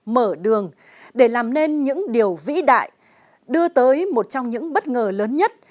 mở đường để làm nên những điều vĩ đại đưa tới một trong những bất ngờ lớn nhất